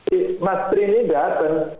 di mastri ini datang